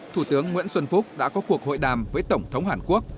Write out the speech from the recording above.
thủ tướng nguyễn xuân phúc đã có cuộc hội đàm với tổng thống hàn quốc